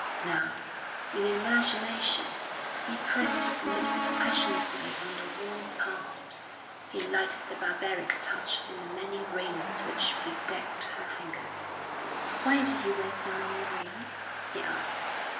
Now, in imagination, he pressed his lips passionately on the warm palms. He liked the barbaric touch in the many rings which bedecked her fingers. "Why do you wear so many rings?" he asked.